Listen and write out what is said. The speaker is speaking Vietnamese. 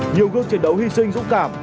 nhiều gương chiến đấu hy sinh dũng cảm